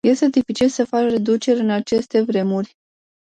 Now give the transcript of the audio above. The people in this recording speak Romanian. Este dificil să faci reduceri în aceste vremuri.